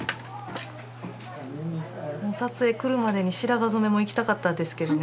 撮影来るまでに白髪染めも行きたかったんですけどね。